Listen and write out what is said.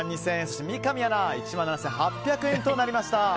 そして、三上アナが１万７８００円となりました。